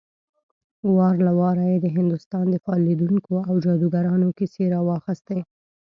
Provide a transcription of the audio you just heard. وار له واره يې د هندوستان د فال ليدونکو او جادوګرانو کيسې راواخيستې.